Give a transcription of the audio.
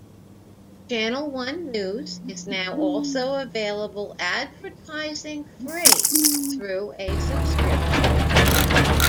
Channel One News is now also available advertising-free through a subscription.